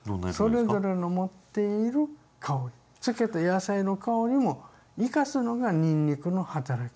それぞれの持っている香り漬けた野菜の香りも生かすのがにんにくの働き。